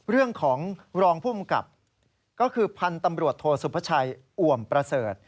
เรื่องของรองภูมิกับก็คือพันธุ์ตำรวจโทสุพชัยอ่วมประเสริฐ